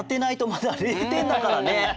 まだ０てんだからね。